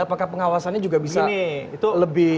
apakah pengawasannya juga bisa lebih